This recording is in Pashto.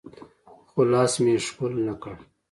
خو لاس مې يې ښکل نه کړ.